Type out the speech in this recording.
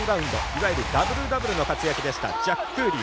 いわゆるダブルダブルの活躍でした。